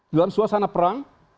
dalam suasana perang